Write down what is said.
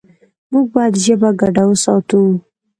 موږ باید ژبه ګډه وساتو.